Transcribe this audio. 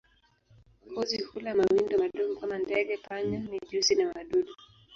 Kozi hula mawindo madogo kama ndege, panya, mijusi na wadudu.